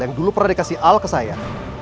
yang dulu pernah dikasih al ke saya